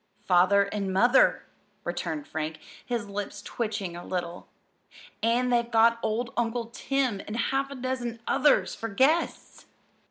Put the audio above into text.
"Father and Mother," returned Frank, his lips twitching a little. "And they've got old Uncle Tim and half a dozen others for guests."